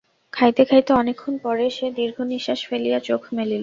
খাইতে খাইতে অনেকক্ষণ পরে সে দীর্ঘনিশ্বাস ফেলিয়া চোখ মেলিল।